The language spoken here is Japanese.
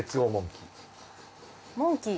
モンキー？